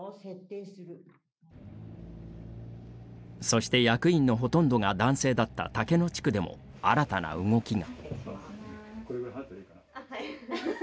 そして、役員のほとんどが男性だった竹野地区でも新たな動きが。